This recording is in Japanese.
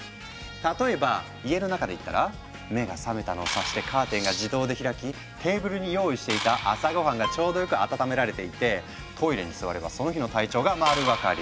例えば家の中でいったら目が覚めたのを察してカーテンが自動で開きテーブルに用意していた朝ごはんがちょうどよく温められていてトイレに座ればその日の体調が丸分かり。